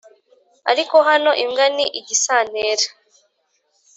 ariko hano imbwa ni igisantera